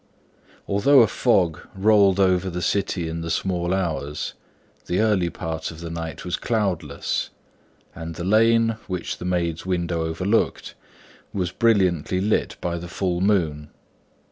Although a fog rolled over the city in the small hours, the early part of the night was cloudless, and the lane, which the maid's window overlooked, was brilliantly lit by the full moon.